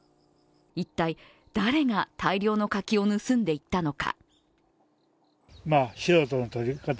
一体、誰が大量の柿を盗んでいったのか。